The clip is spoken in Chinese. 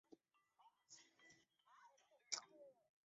他又是伊朗宪政运动的领导人。